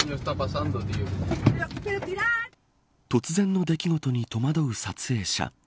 突然の出来事にとまどう撮影者。